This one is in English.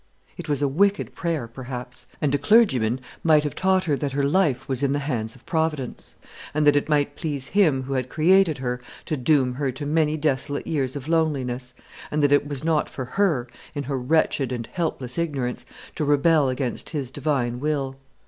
It was a wicked prayer, perhaps; and a clergyman might have taught her that her life was in the hands of Providence; and that it might please Him who had created her to doom her to many desolate years of loneliness; and that it was not for her, in her wretched and helpless ignorance, to rebel against His divine will.